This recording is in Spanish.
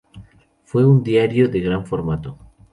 Fue un diario de gran formato.